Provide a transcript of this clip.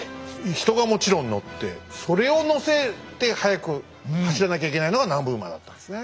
人がもちろん乗ってそれを乗せて速く走らなきゃいけないのが南部馬だったんですね。